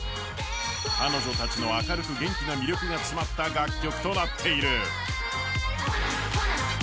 彼女たちの明るく元気な魅力が詰まった楽曲となっている。